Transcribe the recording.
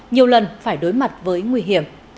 nhiều lần phải đối mặt với nguy hiểm